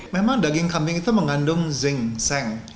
memang daging kambing itu mengandung zinc